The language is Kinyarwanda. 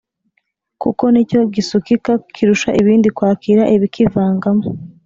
kuko ni cyo gisukika kirusha ibindi kwakira ibikivangamo.